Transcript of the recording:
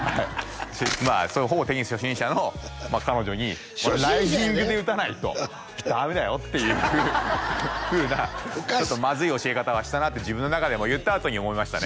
まあほぼテニス初心者の彼女にほらライジングで打たないとダメだよっていうふうなちょっとまずい教え方はしたなって自分の中でも言ったあとに思いましたね